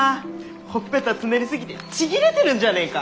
ほっぺたつねり過ぎてちぎれてるんじゃねえか？